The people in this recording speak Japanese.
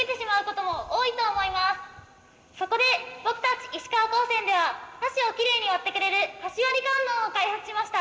そこで僕たち石川高専では箸をきれいに割ってくれる「箸割観音」を開発しました。